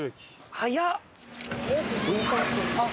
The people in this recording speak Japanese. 早っ！